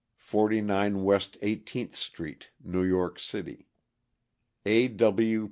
Robert McKinley, 49 West Eighteenth street, New York City, A. W.